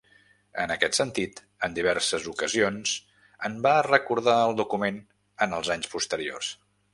En aquest sentit, en diverses ocasions en va recordar el document en els anys posteriors.